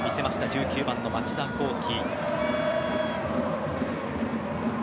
１９番の町田浩樹。